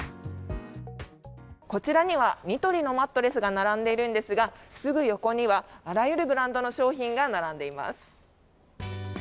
こちらにはニトリのマットレスが並んでいるんですがすぐ横には、あらゆるブランドの商品が並んでいます。